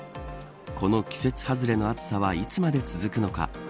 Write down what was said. この季節外れの暑さはいつまで続くのか。